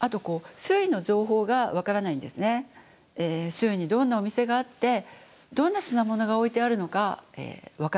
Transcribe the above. あと周囲にどんなお店があってどんな品物が置いてあるのか分からない。